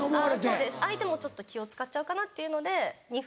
そうです相手もちょっと気を使っちゃうかなっていうので２分。